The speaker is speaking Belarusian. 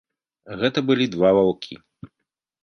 Гэта былі два ваўкі.